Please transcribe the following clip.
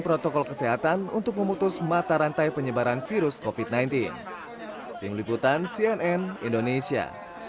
protokol kesehatan untuk memutus mata rantai penyebaran virus copy nanti tim liputan cnn indonesia